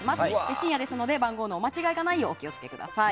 深夜ですので番号のお間違えがないようお気を付けください。